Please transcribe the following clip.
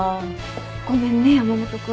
ごめんね山本君。